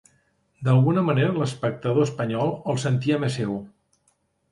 D'alguna manera l'espectador espanyol el sentia més seu.